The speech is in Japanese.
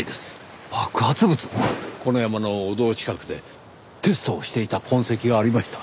この山の御堂近くでテストをしていた痕跡がありました。